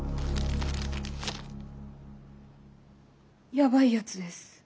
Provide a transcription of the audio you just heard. やばいやつです。